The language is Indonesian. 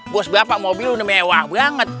bos berapa mobil udah mewah banget